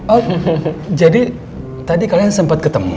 oh jadi tadi kalian sempat ketemu